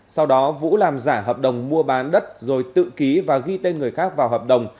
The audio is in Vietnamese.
sau đó vũ làm giả hợp đồng mua bán đất rồi tự ký và ghi tên người khác vào hợp đồng